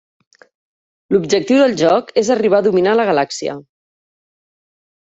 L'objectiu del joc és arribar a dominar la galàxia.